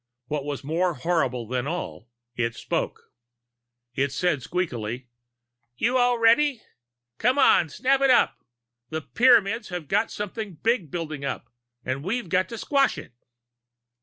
What was more horrible than all, it spoke. It said squeakily: "You all ready? Come on, snap it up! The Pyramids have got something big building up and we've got to squash it."